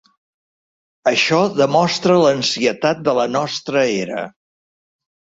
Això demostra l'ansietat de la nostra era.